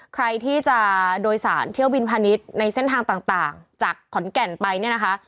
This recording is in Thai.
ใครที่จะโดยสารเที่ยวบินพาณิชย์ในเส้นทางต่างจากขอนแก่นไปเนี่ยนะคะ